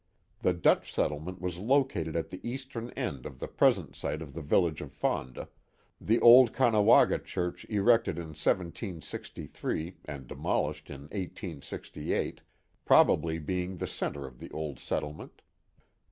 The Dutch settlement was located at the eastern end of the present site of the village of Fonda, the old Caughnawaga church erected in 1763 and demolished in 1868 probably being the centre of the old settlement.